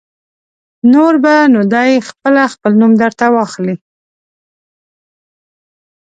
نور به نو دی خپله خپل نوم در ته واخلي.